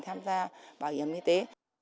tham gia bảo hiểm y tế